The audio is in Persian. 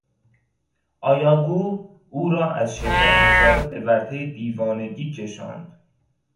آیاگو او را از شدت حسادت به ورطهی دیوانگی کشاند.